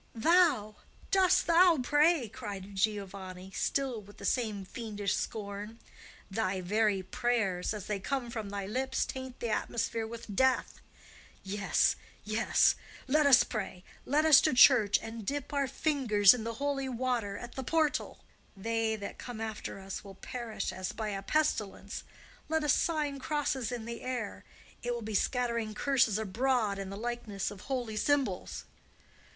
"Thou,—dost thou pray?" cried Giovanni, still with the same fiendish scorn. "Thy very prayers, as they come from thy lips, taint the atmosphere with death. Yes, yes; let us pray! Let us to church and dip our fingers in the holy water at the portal! They that come after us will perish as by a pestilence! Let us sign crosses in the air! It will be scattering curses abroad in the likeness of holy symbols!"